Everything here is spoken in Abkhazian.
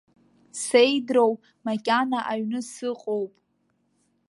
Сеидроу, макьана аҩны сыҟоуп.